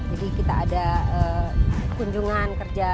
jadi kita ada kunjungan kerja